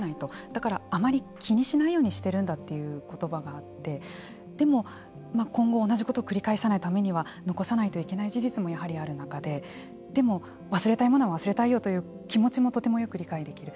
だから、あまり気にしないようにしているんだという言葉があってでも、今後、同じことを繰り返さないためには残さないといけない事実もやはりある中ででも、忘れたいものは忘れたいよという気持ちもとてもよく理解できる。